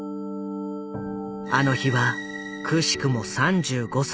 あの日はくしくも３５歳の誕生日。